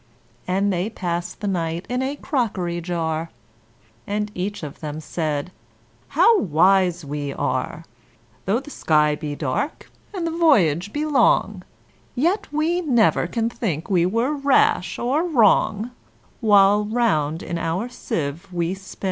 And they passed the night in a crockery jar; And each of them said, "How wise we are! Though the sky be dark, and the voyage be long, Yet we never can think we were rash or wrong, While round in our sieve we spin."